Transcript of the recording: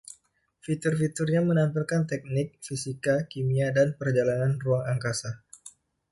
Fitur-fiturnya menampilkan teknik, fisika, kimia, dan perjalanan ruang angkasa.